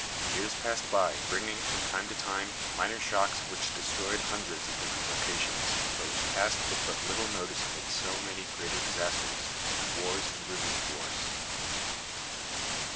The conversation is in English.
Years passed by, bringing, from time to time, minor shocks which destroyed hundreds in different locations, but which passed with but little notice amid so many greater disasters, and wars and rumors of wars.